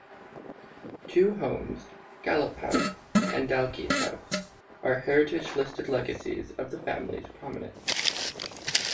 Two homes, Gallop House and Dalkeith House, are heritage-listed legacies of the family's prominence.